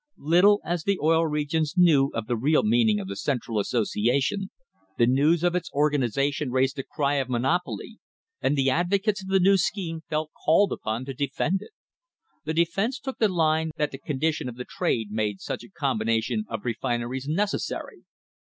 Little as the Oil Regions knew of the real meaning of the Central Association, the news of its organisation raised a cry of monopoly, and the advocates of the new scheme felt called upon to defend it. The defense took the line that the condi tions of the trade made such a combination of refineries necessary.